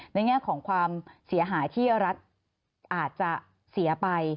แง่ของความเสียหายที่รัฐอาจจะเสียไป